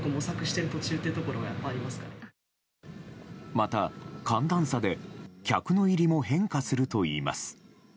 また寒暖差で客の入りも変化するといいます。